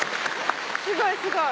すごいすごい。